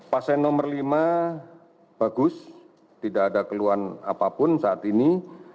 pasien nomor lima bagus tidak ada keluhan apapun saat ini